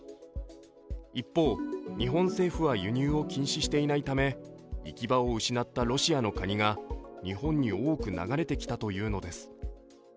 一方、日本政府は輸入を禁止していないため行き場を失ったロシアのカニが日本に多く流れてきたというのです。